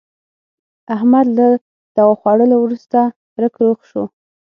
احمد له دوا خوړلو ورسته رک روغ شو.